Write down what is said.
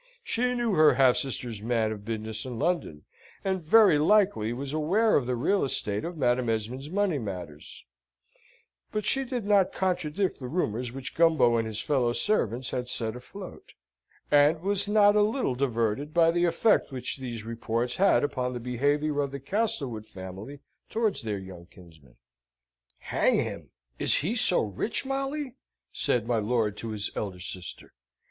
She knew her half sister's man of business in London, and very likely was aware of the real state of Madame Esmond's money matters; but she did not contradict the rumours which Gumbo and his fellow servants had set afloat; and was not a little diverted by the effect which these reports had upon the behaviour of the Castlewood family towards their young kinsman. "Hang him! Is he so rich, Molly?" said my lord to his elder sister.